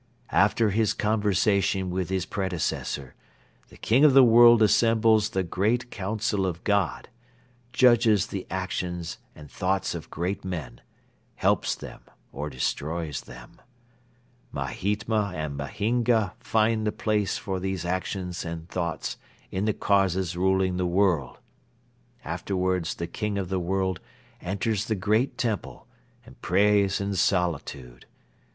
"After his conversation with his predecessor the King of the World assembles the 'Great Council of God,' judges the actions and thoughts of great men, helps them or destroys them. Mahytma and Mahynga find the place for these actions and thoughts in the causes ruling the world. Afterwards the King of the World enters the great temple and prays in solitude.